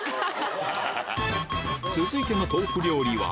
続いての豆腐料理は？